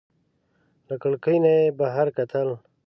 له کړکۍ نه یې بهر کتل.